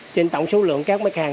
trên tổng số lượng các mạch hàng